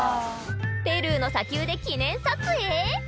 ペルーの砂丘で記念撮影？